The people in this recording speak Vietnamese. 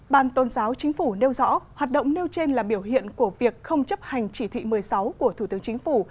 bàn tôn giáo chính phủ nêu rõ hoạt động nêu trên là biểu hiện của việc không chấp hành chỉ thị một mươi sáu của thủ tướng chính phủ